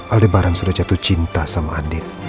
aldebaran sudah jatuh cinta sama andir